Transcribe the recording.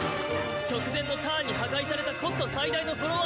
直前のターンに破壊されたコスト最大のフォロワー